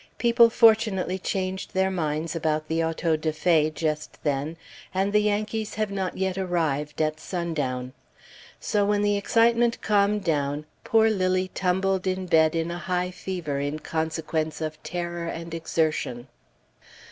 People fortunately changed their minds about the auto da fé just then; and the Yankees have not yet arrived, at sundown. So, when the excitement calmed down, poor Lilly tumbled in bed in a high fever in consequence of terror and exertion.